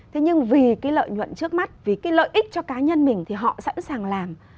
thế nhưng vì cái lợi nhuận trước mắt vì cái lợi ích cho cá nhân mình thì họ sẵn sàng làm